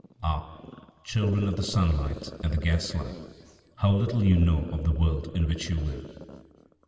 Ah, children of the sunlight and the gaslight, how little you know of the world in which you live!